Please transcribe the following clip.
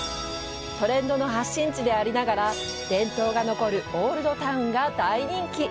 トレンドの発信地でありながら伝統が残るオールドタウンが大人気！